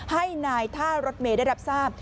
ให้นายท่ารถเมย์ได้รับทราบ